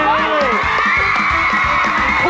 โอเค